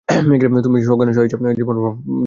তুমি সজ্ঞানে স্বইচ্ছায় জীবনভর পাপ করে এসেছ!